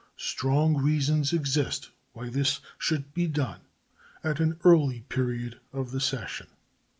Strong reasons exist why this should be done at an early period of the session.